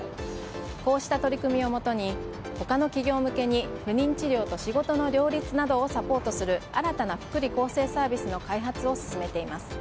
こうした取り組みをもとに他の企業向けに不妊治療と仕事の両立などを新たな福利厚生サービスの開発を進めています。